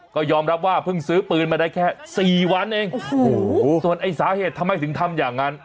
ก็ยอมรับว่าเพิ่งซื้อปืนมาได้แค่สี่วันเองโอ้โหส่วนไอ้สาเหตุทำไมถึงทำอย่างนั้น